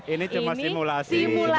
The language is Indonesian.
ini simulasi aja